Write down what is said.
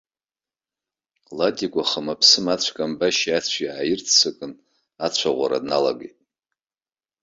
Ладикәа хымаԥсыма ацәкамбашьи ацәи ааирццакын, ацәаӷәара дналагеит.